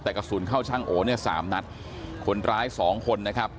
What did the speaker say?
แต่กระสุนเข้าช่างโอเนี่ยสามนัดคนร้ายสองคนนะครับ